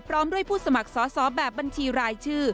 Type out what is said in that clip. พร้อมด้วยผู้สมัครสอสอแบบบัญชีรายชื่อ